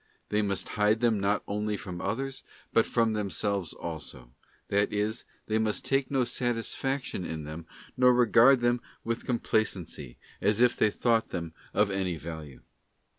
They must hide them not only from others, but from themselves also; that is, they must take no satisfaction in them nor regard them with complacency, as if they thought them of any value.